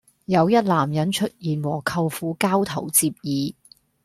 有一男人出現和舅父交頭接耳